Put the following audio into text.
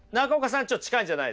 ちょっと近いんじゃないですか？